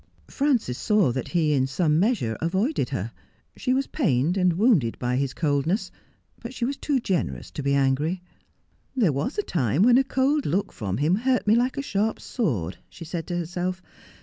Frances saw that he in some measure avoided her. She was pained and wounded by his coolness, but she was too generous to be angry. ' There was a time when a cold look from him hurt me like a sharp sword,' she said to herself.